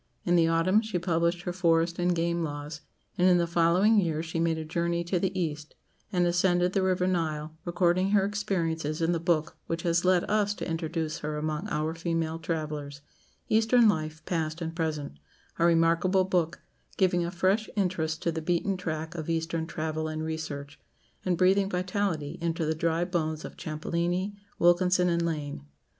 In the autumn she published her "Forest and Game Laws"; and in the following year she made a journey to the East, and ascended the river Nile, recording her experiences in the book which has led us to introduce her among our female travellers "Eastern Life, Past and Present," a remarkable book, giving a fresh interest to the beaten track of Eastern travel and research, and breathing vitality into the dry bones of Champollini, Wilkinson, and Lane.